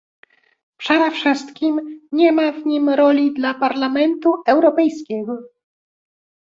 Przede wszystkim nie ma w nim roli dla Parlamentu Europejskiego